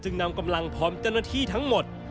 นำกำลังพร้อมเจ้าหน้าที่ทั้งหมด